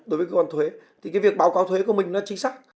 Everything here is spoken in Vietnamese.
đối với cơ quan thuế thì cái việc báo cáo thuế của mình nó chính xác